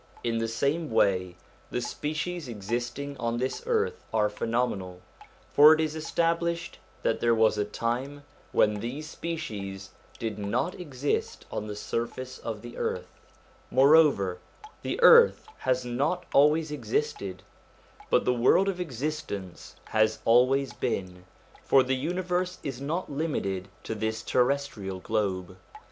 In the same way the species existing on this earth are phenomenal, for it is established that there was a time when these species did not exist on the surface of the 1 i.e. at its birth. 178 174 SOME ANSWERED QUESTIONS earth. Moreover, the earth has not always existed, but the world of existence has always been; for the universe is not limited to this terrestrial globe.